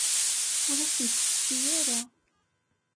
Ur asen-t-tečči ara.